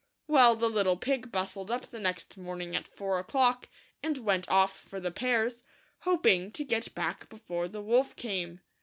'' Well, the little pig bustled up the next morning at lour o'clock, and went off for the pears, hoping to get back before the wolf came.